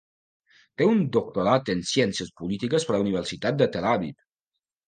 Té un doctorat en ciències polítiques per la Universitat de Tel Aviv.